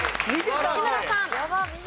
吉村さん。